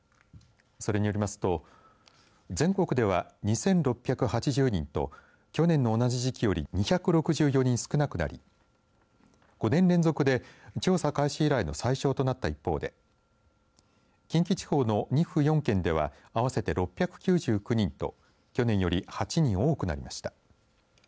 それによりますと全国では２６８０人と去年の同じ時期より２６４人少なくなり５年連続で調査開始以来の最少となった一方で近畿地方の２府４県では合わせて６９９人と去年より８人、多くなりました。